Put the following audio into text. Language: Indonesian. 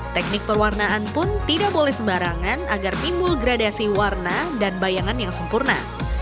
teknik perwarnaan pun tidak boleh sembarangan agar timbul gradasi warna dan bayangan yang sempurna